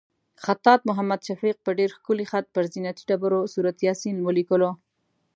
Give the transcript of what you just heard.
خطاط محمد شفیق په ډېر ښکلي خط پر زینتي ډبرو سورت یاسین ولیکلو.